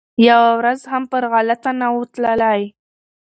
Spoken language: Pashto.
یوه ورځ هم پر غلطه نه وو تللی